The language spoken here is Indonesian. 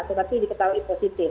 sebab itu diketahui positif